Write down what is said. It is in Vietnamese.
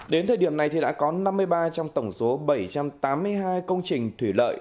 đến thời điểm này thì đã có năm mươi ba trong tổng số bảy trăm tám mươi hai công trình thủy lợi